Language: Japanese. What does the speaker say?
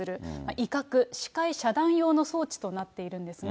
威嚇、視界遮断用の装置となっているんですね。